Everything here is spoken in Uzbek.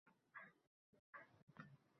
Qancha ulug’ bo’lsa